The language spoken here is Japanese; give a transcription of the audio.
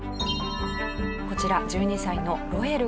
こちら１２歳のロエル君。